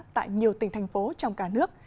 tại nhiều tỉnh thành phố trong cả nước